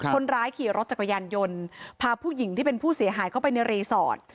คนร้ายขี่รถจักรยานยนต์พาผู้หญิงที่เป็นผู้เสียหายเข้าไปในรีสอร์ท